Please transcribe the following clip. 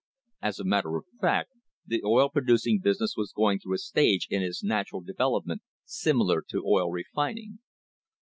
As a matter of fact the oil producing business was going through a stage in its natural development similar to oil refin ing.